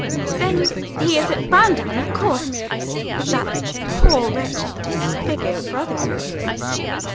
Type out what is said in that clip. then he is at Browndown of course with that poor wretched disfigured brother of his.